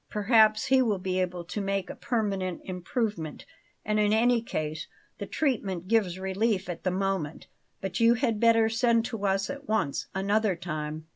Perhaps he will be able to make a permanent improvement. And, in any case, the treatment gives relief at the moment. But you had better send to us at once, another time.